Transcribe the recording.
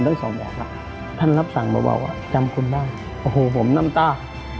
ทั้ง๒แบบท่านรับสั่งเบาจำคุณได้โอ้โหผมน้ำตา